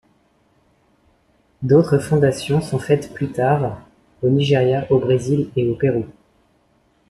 D’autres fondations sont faites plus tard au Nigeria, au Brésil et au Pérou.